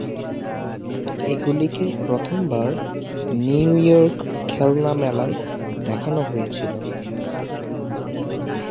এগুলিকে প্রথমবার নিউইয়র্ক খেলনা মেলায় দেখানো হয়েছিল।